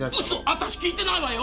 私聞いてないわよ？